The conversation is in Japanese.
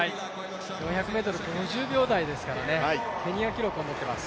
４００ｍ５０秒台ですからねケニア記録を持ってます。